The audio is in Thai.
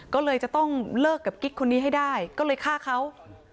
ก็เลยจะต้องเลิกกับกิ๊กคนนี้ให้ได้ก็เลยฆ่าเขา